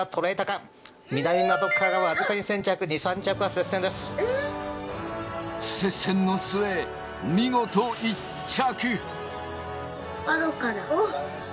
接戦の末、見事１着。